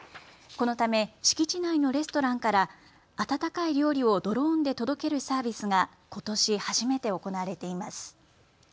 このため敷地内のレストランから温かい料理をドローンで届けるサービスがことし初めて行われています。